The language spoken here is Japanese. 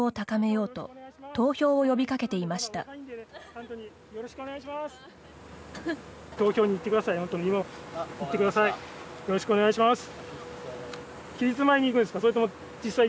よろしくお願いします。